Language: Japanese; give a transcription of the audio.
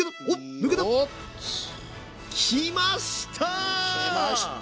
きました！